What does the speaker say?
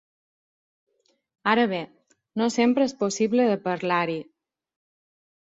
Ara bé, no sempre és possible de parlar-hi.